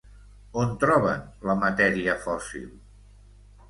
On troben la matèria fòssil?